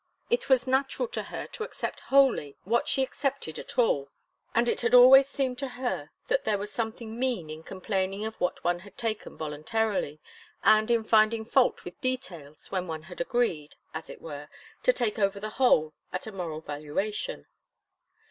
It was natural to her to accept wholly what she accepted at all, and it had always seemed to her that there was something mean in complaining of what one had taken voluntarily, and in finding fault with details when one had agreed, as it were, to take over the whole at a moral valuation.